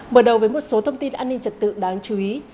mở đầu với một số thông tin an ninh trật tự đáng chú ý